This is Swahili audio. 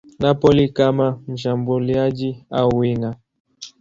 Napoli kama mshambuliaji au winga.